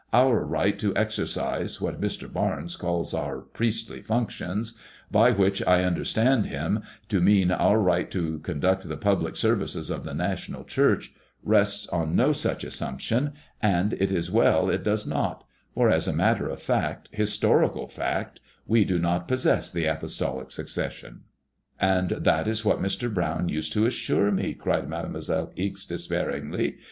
" Our right to exercise what Mr. Barnes calls our priestly functions, by which I understand him to mean our right to conduct the public ser vices of the National Church, rests on no such assumption, and it is well it does not, for as a matter of fact, historical fact, we do not possess the apostolic suc cession.*' '* And that is what Mr. Brown used to assure me," cried Made moiselle Ixe, despairingly.